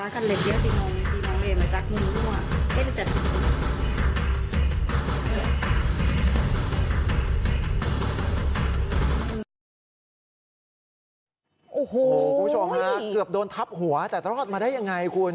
คุณผู้ชมฮะเกือบโดนทับหัวแต่รอดมาได้ยังไงคุณ